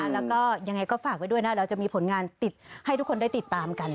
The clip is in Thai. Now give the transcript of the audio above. แล้วก็ยังไงก็ฝากไว้ด้วยนะเราจะมีผลงานติดให้ทุกคนได้ติดตามกัน